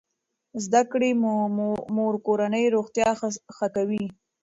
زده کړې مور کورنۍ روغتیا ښه کوي.